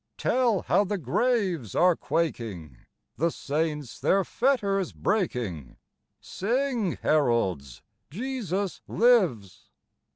Tell how the graves are quaking, The saints their fetters breaking : Sing, heralds : Jesus lives